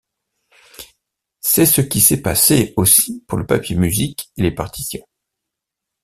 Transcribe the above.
C'est ce qui s'est passé aussi pour le papier musique et les partitions.